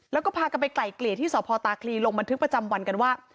แล้วก็พากันไปไกลเกลี่ยที่สพตาคลีลงบันทึกประจำวันกันว่า